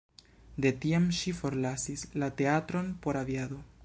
De tiam ŝi forlasis la teatron por aviado.